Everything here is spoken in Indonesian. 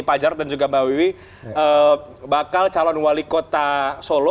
pak jarod dan juga mbak wiwi bakal calon wali kota solo